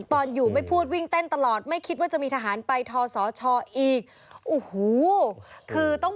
ตอนอยู่ไม่พูดวิ่งเต้นตลอดไม่คิดว่าจะมีทหารไปทอสชอีก